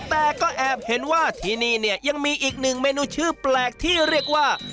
แต่ก็แอบเห็นว่าที่นี่เนี่ยยังมีอีกหนึ่งเมนูชื่อแปลกที่เรียกว่า